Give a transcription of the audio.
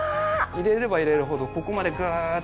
入れれば入れるほどここまでグーッと。